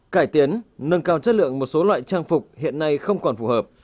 cải tiến nâng cao chất lượng một số loại trang phục hiện nay không còn phù hợp